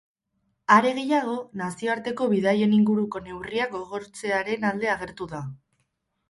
Are gehiago, nazioarteko bidaien inguruko neurriak gogortzearen alde agertu da.